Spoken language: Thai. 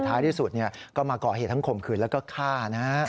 ท้ายที่สุดก็มาก่อเหตุทั้งข่มขืนแล้วก็ฆ่านะฮะ